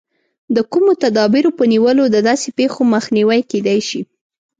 د کومو تدابیرو په نیولو د داسې پېښو مخنیوی کېدای شي.